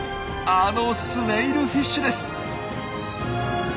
あのスネイルフィッシュです！